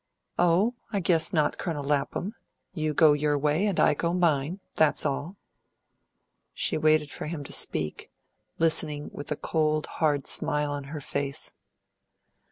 "Oh, I guess not, Colonel Lapham. You go your way, and I go mine. That's all." She waited for him to speak, listening with a cold, hard smile on her face.